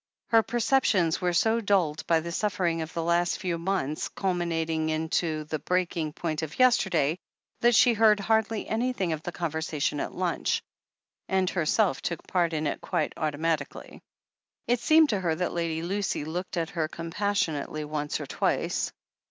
Her perceptions were so dulled by the suflFering of the last few months, culminating in the breaking point of yesterday, that she heard hardly anything of the conversation at lunch, and herself took part in it quite automatically. It seemed to her that Lady Lucy looked at her com passionately once or twice.